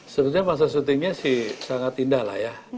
sebetulnya masa syutingnya sih sangat indah lah ya